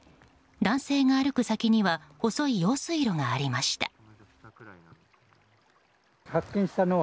男性が歩く先には細い用水路がありました。